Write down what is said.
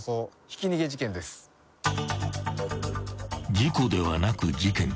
［事故ではなく事件］